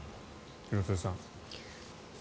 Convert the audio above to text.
廣津留さん。